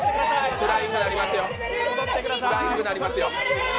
フライングになりますよ。